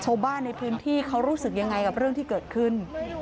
ชาวบ้านในพื้นที่เขารู้สึกยังไงกับเรื่องที่เกิดขึ้น